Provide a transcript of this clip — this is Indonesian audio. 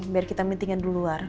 biar kita meetingnya di luar